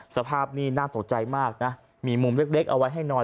สภาพนี่น่าตกใจมากนะมีมุมเล็กเอาไว้ให้นอน